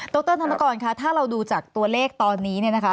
รธนกรคะถ้าเราดูจากตัวเลขตอนนี้เนี่ยนะคะ